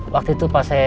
waktu itu pas saya mainnya